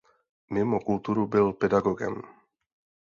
Mimo kulturu byl pedagogem.